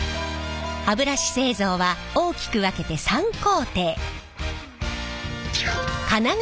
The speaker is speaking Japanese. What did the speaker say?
歯ブラシ製造は大きく分けて３工程。